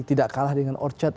tidak kalah dengan orchard